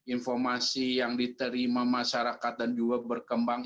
informasi yang diterima masyarakat dan juga berkembang